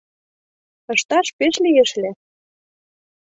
— Ышташ пеш лиеш ыле.